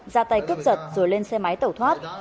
ra tay cướp giật rồi lên xe máy tẩu thoát